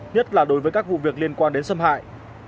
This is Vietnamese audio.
nhất là đối với các vụ việc liên quan đến xâm hại